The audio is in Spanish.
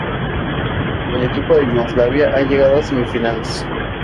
El equipo de Yugoslavia ha llegado a semifinales.